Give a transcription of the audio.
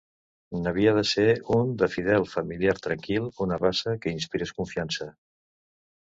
N'havia de ser un de fidel, familiar, tranquil, una raça que inspirés confiança.